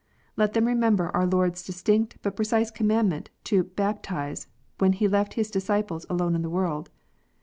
Let them remember our Lord s distinct and precise command to " baptize," when He left His disciples alone in the world.